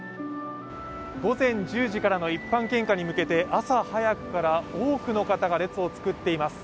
午前１０時からの一般献花に向けて朝早くから多くの方が列を作っています。